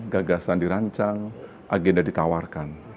gagasan dirancang agenda ditawarkan